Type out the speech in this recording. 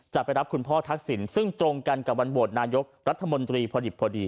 จะไปรับคุณพ่อทักษิณซึ่งตรงกันกับวันโหวตนายกรัฐมนตรีพอดิบพอดี